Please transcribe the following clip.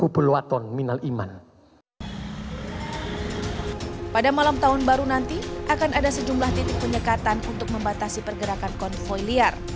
pada malam tahun baru nanti akan ada sejumlah titik penyekatan untuk membatasi pergerakan konvoy liar